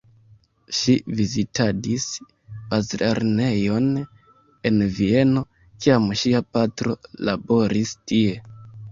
Ŝi vizitadis bazlernejon en Vieno, kiam ŝia patro laboris tie.